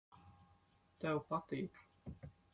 Tev patīk.